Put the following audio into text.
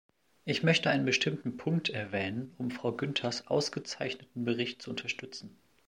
Ich möchte einen bestimmten Punkt erwähnen, um Frau Günthers ausgezeichneten Bericht zu unterstützen.